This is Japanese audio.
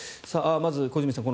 まず、小泉さん